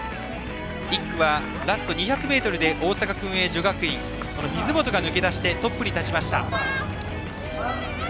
１区はラスト２００ｍで大阪薫英女学院水本が抜け出してトップに立ちました。